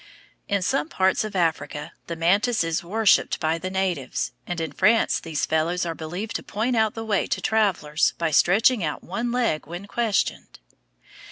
In some parts of Africa the mantis is worshipped by the natives, and in France these fellows are believed to point out the way to travellers by stretching out one leg when questioned.